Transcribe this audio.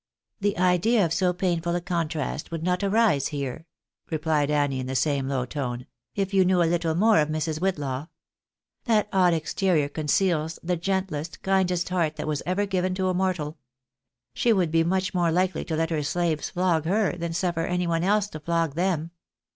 " The idea of so painful a contrast would not arise here," replied Annie, in the same low tone, " if you knew a little more of Mrs. Whitlaw. That odd exterior conceals the gentlest, kindest heart that was ever given to mortal. She would be much more likely to let her slaves flog her, than suffer any one else to flog them."